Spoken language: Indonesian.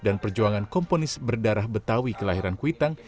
dan perjuangan komponis berdarah betawi kelahiran kuitang